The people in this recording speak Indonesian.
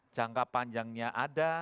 jangka panjangnya ada